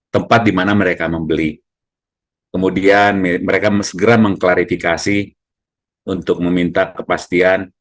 tempat di mana mereka membeli kemudian mereka segera mengklarifikasi untuk meminta kepastian